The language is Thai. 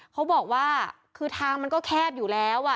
เขาบอกว่าคือทางมันก็แคบอยู่แล้ว